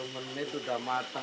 sepuluh menit udah matang